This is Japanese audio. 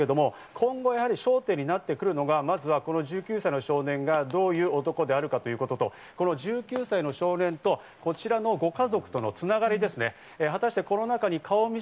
今後、足取り申し上げましたが、焦点になってくるのは１９歳の少年がどういう男であるかということと、１９歳の少年とこちらのご家族との繋がりですね。